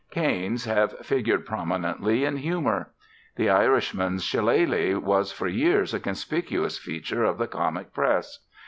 Canes have figured prominently in humour. The Irishman's shillelagh was for years a conspicuous feature of the comic press.